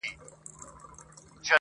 o بې له ميني که ژوندون وي که دنیا وي,